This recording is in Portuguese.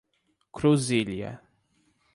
Cruzília